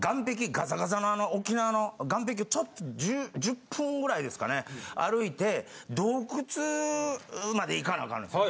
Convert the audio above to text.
ガザガザのあの沖縄の岸壁をちょっと１０分ぐらいですかね歩いて洞窟まで行かなあかんのですよ。